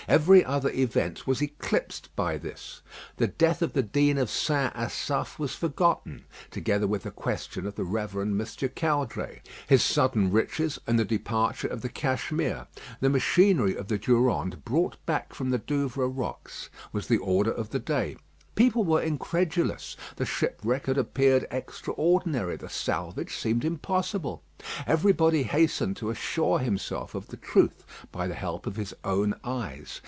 Every other event was eclipsed by this. The death of the Dean of St. Asaph was forgotten, together with the question of the Rev. Mr. Caudray, his sudden riches, and the departure of the Cashmere. The machinery of the Durande brought back from the Douvres rocks was the order of the day. People were incredulous. The shipwreck had appeared extraordinary, the salvage seemed impossible. Everybody hastened to assure himself of the truth by the help of his own eyes.